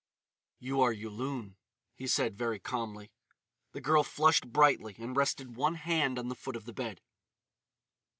"You are Yulun," he said very calmly. The girl flushed brightly and rested one hand on the foot of the bed.